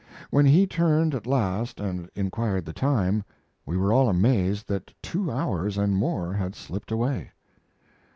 When he turned at last and inquired the time we were all amazed that two hours and more had slipped away.